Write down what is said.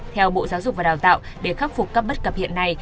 theo bộ giáo dục và đào tạo để khắc phục các bất cập hiện nay